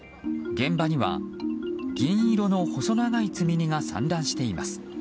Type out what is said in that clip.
現場には銀色の細長い積み荷が散乱しています。